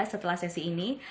setelah sesi ini